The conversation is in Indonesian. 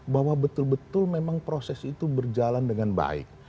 bahwa betul betul memang proses itu berjalan dengan baik